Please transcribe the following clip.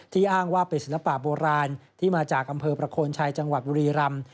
อ้างว่าเป็นศิลปะโบราณที่มาจากอำเภอประโคนชัยจังหวัดบุรีรำ